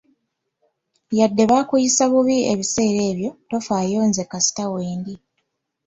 Yadde baakuyisa bubi ebiseera ebyo tofaayo nze kasita wendi.